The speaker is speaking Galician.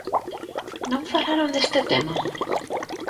¿Non falaron deste tema?